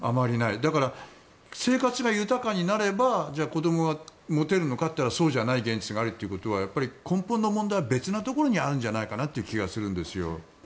だから、生活が豊かになれば子供が持てるのかといったらそうじゃない現実があるとしたらやっぱり根本の問題は別のところにあるんじゃないかなと思うんですよ。